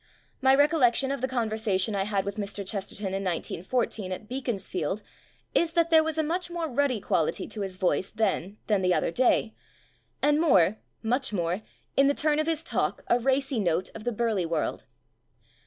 My recollection of the conver sation I had with Mr. Chesterton in 1914 at Beaconsfield is that there was a much more ruddy quality to his voice then than the other day, and more, much more, in the turn of his talk a racy note of the burly world.